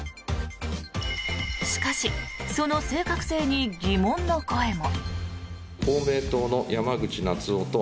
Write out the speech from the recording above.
しかし、その正確性に疑問の声も。